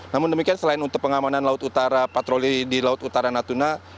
namun demikian selain untuk pengamanan laut utara patroli di laut utara natuna